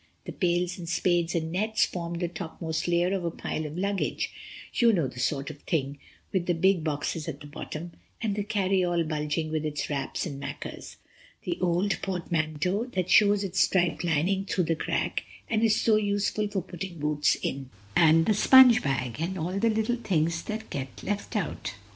The pails and spades and nets formed the topmost layer of a pile of luggage—you know the sort of thing, with the big boxes at the bottom; and the carryall bulging with its wraps and mackers; the old portmanteau that shows its striped lining through the crack and is so useful for putting boots in; and the sponge bag, and all the little things that get left out.